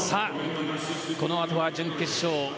このあとは準決勝。